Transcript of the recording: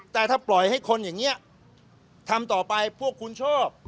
แต่ถ้าปล่อยให้คนอย่างนี้ทำต่อไปพวกคุณชอบ